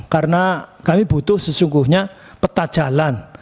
karena kami butuh sesungguhnya peta jalan